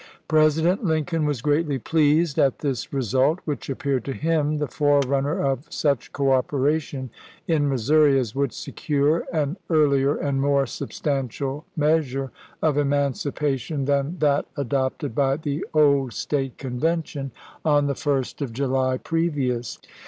President Lincoln was greatly pleased at this re sult, which appeared to him the forerunner of such cooperation in Missouri as would secure an earlier and more substantial measure of emancipation than that adopted by the old State Convention on the 1st of July previous.